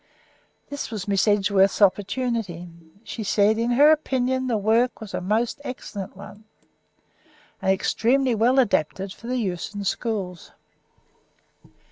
This was Miss Edgeworth's opportunity; she said, in her opinion, the work was a must excellent one, and extremely well adapted for the use of schools.